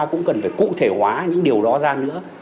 cũng cần phải cụ thể hóa những điều đó ra nữa